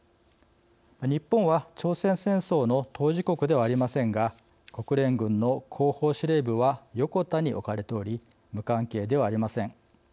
日本は朝鮮戦争の当事国ではありませんが国連軍の後方司令部は横田に置かれており無関係ではありません。